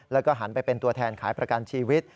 แล้วก็หันไปเป็นตัวแทนขายประกันชีวิต